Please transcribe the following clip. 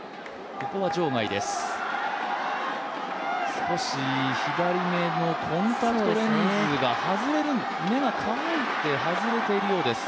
少し、左目のコンタクトレンズが外れ目が乾いて外れているようです。